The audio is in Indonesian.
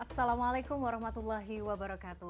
assalamualaikum warahmatullahi wabarakatuh